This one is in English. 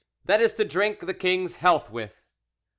that is to drink the king's health with."